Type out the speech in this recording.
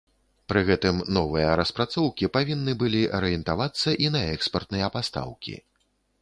Пры гэтым новыя распрацоўкі павінны былі арыентавацца і на экспартныя пастаўкі.